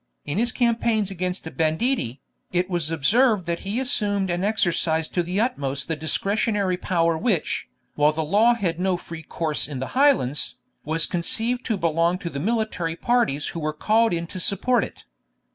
In his campaigns against the banditti, it was observed that he assumed and exercised to the utmost the discretionary power which, while the law had no free course in the Highlands, was conceived to belong to the military parties who were called in to support it.